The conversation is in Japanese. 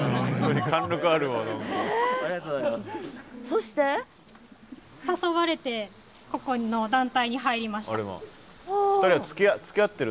そして？誘われてここの団体に入りました。